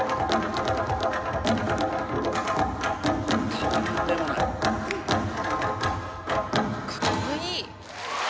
とんでもない。カッコいい！